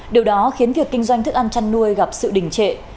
điều đó khiến việc kinh doanh thức ăn chăn nuôi tăng cao